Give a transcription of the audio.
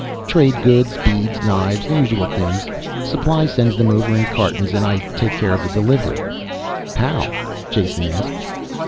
"Trade goods, beads, knives, the usual things. Supply sends them over in cartons and I take care of the delivery." "How?" Jason asked.